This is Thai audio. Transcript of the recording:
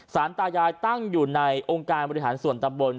สารตายายตั้งอยู่ในองค์การบริหารส่วนตำบล